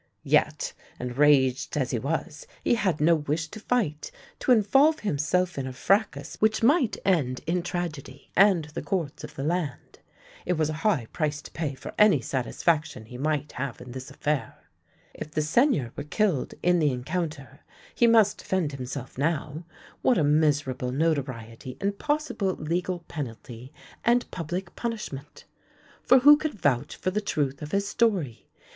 Yet, enraged as he was, he had no wish to fight; to involve himself in a fracas which might end in tragedy and the courts of the land. It was a high price to pay for any satisfaction he might have in this affair. If the Seigneur were killed in the encounter — he must defend himself now — what a miserable notoriety and possible legal penalty and public punishment! For who could vouch for the truth of his story?